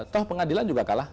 toh pengadilan juga kalah